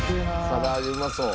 から揚げうまそう。